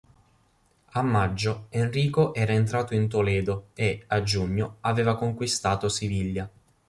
A maggio, Enrico era entrato in Toledo e, a giugno, aveva conquistato Siviglia.